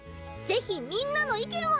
是非みんなの意見を！